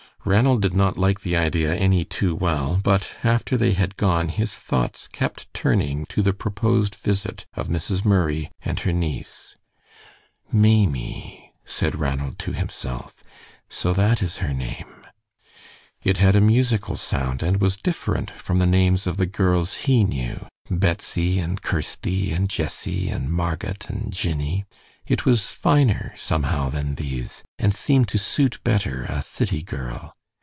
Ranald did not like the idea any too well, but after they had gone his thoughts kept turning to the proposed visit of Mrs. Murray and her niece. "Maimie," said Ranald to himself. "So that is her name." It had a musical sound, and was different from the names of the girls he knew Betsy and Kirsty and Jessie and Marget and Jinny. It was finer somehow than these, and seemed to suit better a city girl.